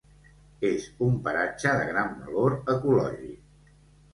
És un paratge de gran valor ecològic.